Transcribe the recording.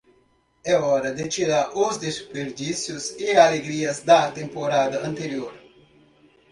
Era hora de tirar os desperdícios e alegrias da temporada anterior.